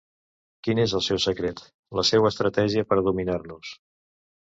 Quin és el seu secret, la seua estratègia per a dominar-nos?